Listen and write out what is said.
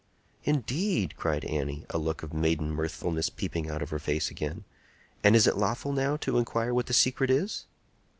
"Indeed!" cried Annie, a look of maiden mirthfulness peeping out of her face again. "And is it lawful, now, to inquire what the secret is?"